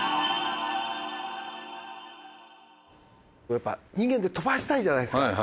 やっぱ人間って飛ばしたいじゃないですか。